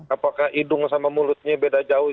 apakah hidung sama mulutnya beda jauh